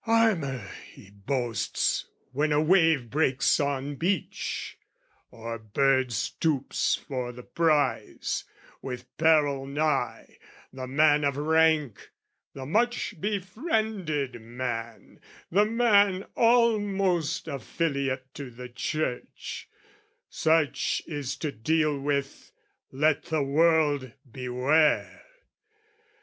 Armour he boasts when a wave breaks on beach, Or bird stoops for the prize: with peril nigh, The man of rank, the much befriended man, The man almost affiliate to the Church, Such is to deal with, let the world beware!